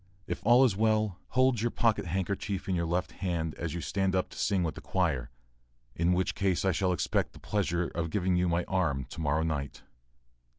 If all is well, hold your pocket handkerchief in your left hand as you stand up to sing with the choir in which case I shall expect the pleasure of giving you my arm to morrow night.